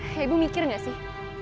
eh ibu mikir gak sih